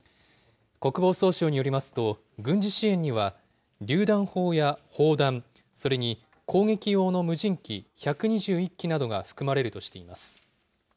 国防総省によりますと、軍事支援にはりゅう弾砲や砲弾、それに攻撃用の無人機１２１機などが含まれるとしています。